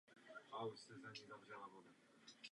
Vyšší třídy módní směr proto opouští.